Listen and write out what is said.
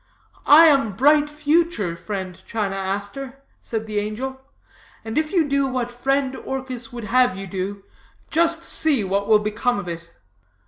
'I am Bright Future, friend China Aster,' said the angel, 'and if you do what friend Orchis would have you do, just see what will come of it.'